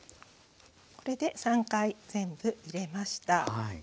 これで３回全部入れました。